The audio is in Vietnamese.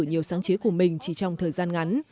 nhiều sáng chế của mình chỉ trong thời gian ngắn